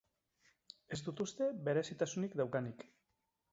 Ez dut uste berezitasunik daukanik.